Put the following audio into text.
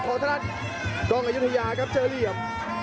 ทางด้านกล้องอายุทยาครับเจอเหลี่ยม